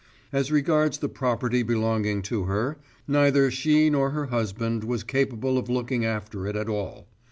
As regards the property belonging to her, neither she nor her husband was capable of looking after it at all.